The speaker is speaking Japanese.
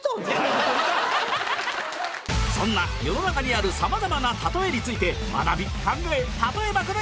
そんな世の中にある様々な「たとえ」について学び考えたとえまくる